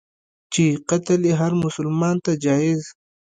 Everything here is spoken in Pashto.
چي قتل یې هرمسلمان ته جایز.